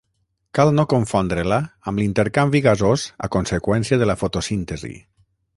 Cal no confondre-la amb l'intercanvi gasós a conseqüència de la fotosíntesi.